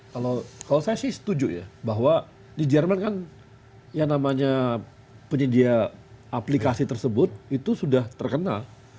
kalau saya sih setuju ya bahwa di jerman kan yang namanya penyedia aplikasi tersebut itu sudah terkena